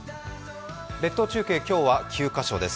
列島中継、今日は９カ所です。